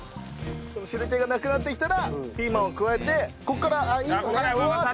汁気がなくなってきたらピーマンを加えてここから。ああいいのね？